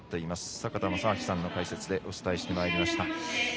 坂田正彰さんの解説でお伝えしてまいりました。